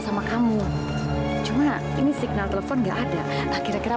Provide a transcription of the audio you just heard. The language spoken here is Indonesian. sampai jumpa di video selanjutnya